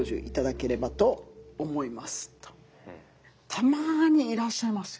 たまにいらっしゃいますよね